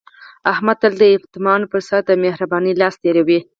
احمد تل د یتیمانو په سر د مهر بانۍ لاس تېروي.